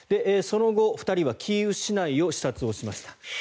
その後、２人はキーウ市内を視察しました。